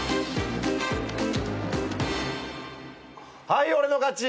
はい俺の勝ち。